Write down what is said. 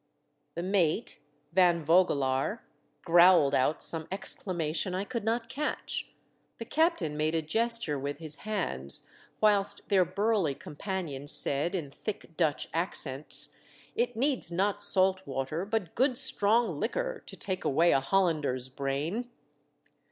The mate, Van Vogelaar, growled out some exclamation I could not catch, the captain made a gesture with his hands, whilst their burly companion said in thick Dutch accents, "It needs not salt water, but good strong liquor, to take away a Hollander's brain."